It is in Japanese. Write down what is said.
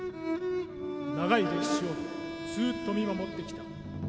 長い歴史をずっと見守ってきた。